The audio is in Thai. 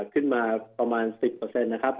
ขึ้นมาประมาณ๑๐นะครับ